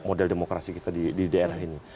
model demokrasi kita di daerah ini